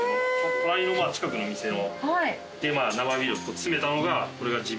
隣の近くの店で生ビールを詰めたのがこれが地